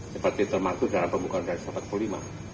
seperti termasuk dalam pembukaan dari satu ratus empat puluh lima